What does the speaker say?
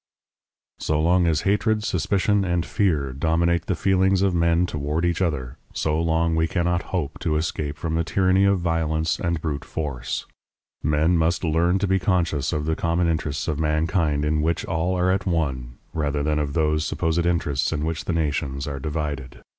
So long as hatred, suspicion, and fear dominate the feelings of men toward each other, so long we cannot hope to escape from the tyranny of violence and brute force. Men must learn to be conscious of the common interests of mankind in which all are at one, rather than of those supposed interests in which the nations are divided.